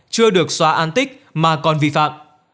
chưa được xóa an tích mà còn vi phạm